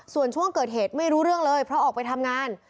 ส่วนช่วงเกิดเหตุไม่รู้เรื่องเลยเพราะออกไปทำงาน